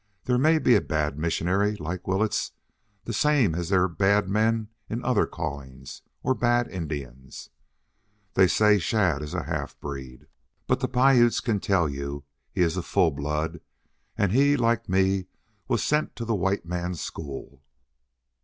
There may be a bad missionary, like Willetts, the same as there are bad men in other callings, or bad Indians. They say Shadd is a half breed. But the Piutes can tell you he is a full blood, and he, like me, was sent to a white man's school.